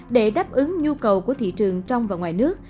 để đáp ứng nhu cầu của thị trường trong và ngoài nước